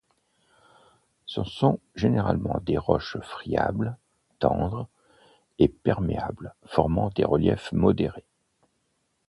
Ce sont généralement des roches friables, tendres et perméables formant des reliefs modérés.